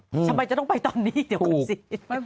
ทำไมจะต้องไปตอนนี้เดี๋ยวขึ้นสิ